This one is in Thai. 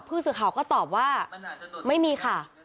ผู้สื่อข่าวก็ตอบว่าไม่มีค่ะ